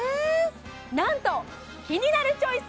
なんと「キニナルチョイス」